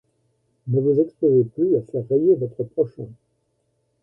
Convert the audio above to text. ― Ne vous exposez plus à faire rayer votre prochain.